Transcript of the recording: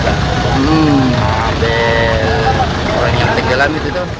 hmm ada orang yang tenggelam itu